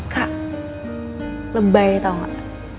kak lebay tau gak